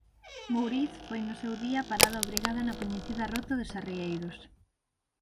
Mouriz foi no seu día parada obrigada na coñecida ruta dos arrieiros.